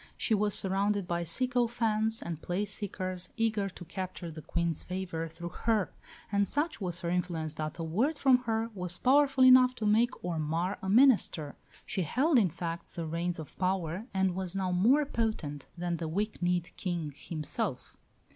She was surrounded by sycophants and place seekers, eager to capture the Queen's favour through her. And such was her influence that a word from her was powerful enough to make or mar a minister. She held, in fact, the reins of power and was now more potent than the weak kneed King himself.